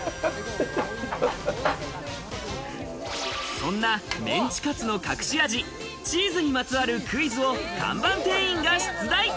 そんなメンチカツの隠し味、チーズにまつわるクイズを看板店員が出題！